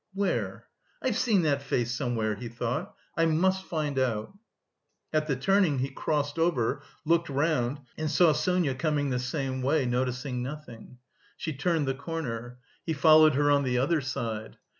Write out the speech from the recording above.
Where? I've seen that face somewhere," he thought. "I must find out." At the turning he crossed over, looked round, and saw Sonia coming the same way, noticing nothing. She turned the corner. He followed her on the other side.